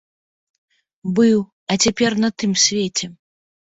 Быў, а цяпер на тым свеце!